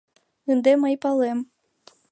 — Ынде мый палем...